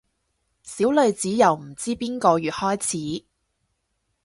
小女子由唔知邊個月開始